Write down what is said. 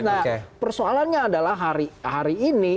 nah persoalannya adalah hari ini